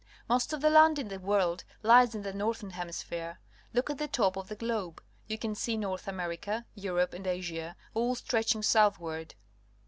Most of the land in the world lies in the Northern Hemisphere. Look at the top of the globe. You can see North America, Europe, and Asia, all stretching southward.